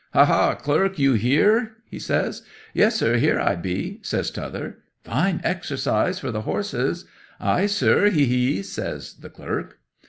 '"Ha, ha, clerk—you here?" he says. '"Yes, sir, here be I," says t'other. '"Fine exercise for the horses!" '"Ay, sir—hee, hee!" says the clerk.